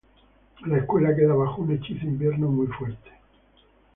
La escuela queda bajo un hechizo invierno muy fuerte.